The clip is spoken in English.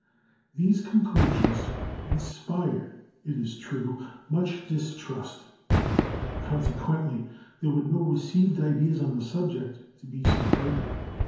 These conclusions inspired, it is true, much distrust, consequently there were no received ideas on the subject to be subverted.